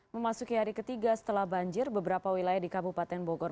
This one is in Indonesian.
memasuki hari ketiga setelah banjir beberapa wilayah di kabupaten bogor